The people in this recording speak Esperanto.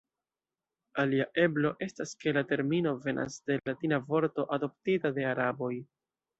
Alia eblo estas ke la termino venas de latina vorto adoptita de araboj.